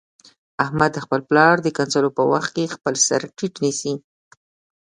احمد د خپل پلار د کنځلو په وخت کې خپل سرټیټ نیسي.